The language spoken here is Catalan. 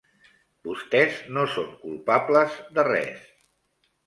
Vostès no són culpables de res.